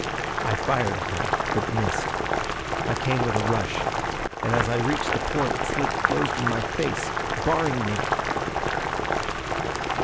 I fired at him, but missed. I came with a rush. And as I reached the porte it slid closed in my face, barring me!